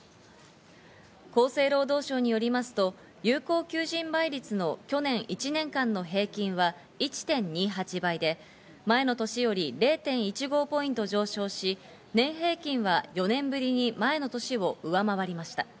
厚生労働省によりますと有効求人倍率の去年１年間の平均は１．２８倍で、前の年より０．１５ポイント上昇し、年平均は４年ぶりに前の年を上回りました。